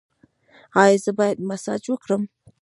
ایا زه باید مساج وکړم؟